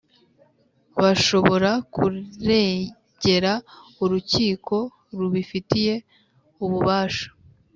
Bashobora kuregera urukiko rubifitiye ububasha